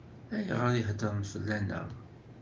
Ayɣer i heddṛen fell-aneɣ?